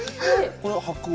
これは白皇？